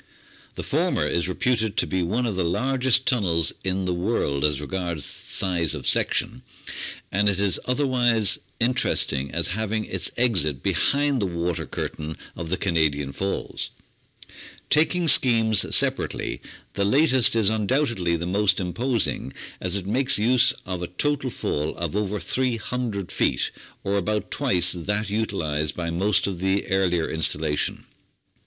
The former is reputed to be one of the largest tunnels in the world as regards size of section, and it is otherwise interesting as having its exit behind the water curtain of the Canadian Falls. Taking schemes separately, the latest is undoubtedly the most imposing, as it makes use of a total fall of over 300 feet, or about twice that utilised by most of the earlier installation.